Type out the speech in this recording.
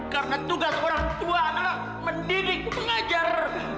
karena tugas orang tua adalah mendidik pengajar